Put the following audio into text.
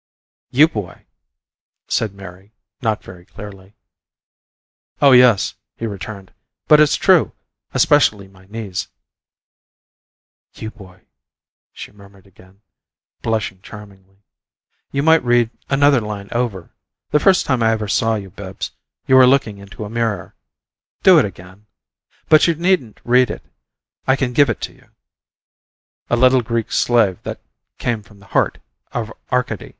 "You boy!" said Mary, not very clearly. "Oh yes," he returned. "But it's true especially my knees!" "You boy!" she murmured again, blushing charmingly. "You might read another line over. The first time I ever saw you, Bibbs, you were looking into a mirror. Do it again. But you needn't read it I can give it to you: 'A little Greek slave that came from the heart of Arcady!'"